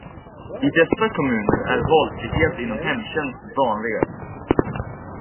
I dessa kommuner är valfrihet inom hemtjänst vanligast.